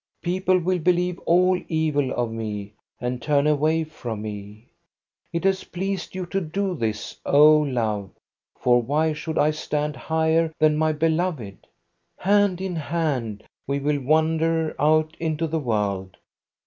People will believe all evil of me and turn away from me. It has pleased you to do this, O Love, for why should I stand higher than my beloved? Hand in hand we will wander out into the world.